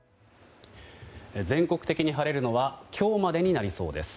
全国的に晴れるのは今日までになりそうです。